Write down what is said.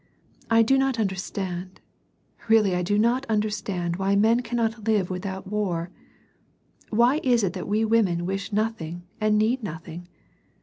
" I do not understand, really I do not understand why men cannot live without war. Why is it that we women .wish nothing and need nothing